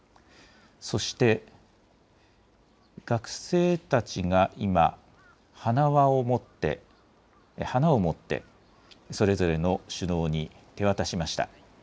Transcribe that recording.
そして学生たちが今、花を持ってそれぞれの首脳に手渡しました。